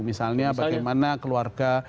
misalnya bagaimana keluarga